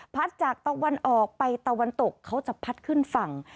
จากตะวันออกไปตะวันตกเขาจะพัดขึ้นฝั่ง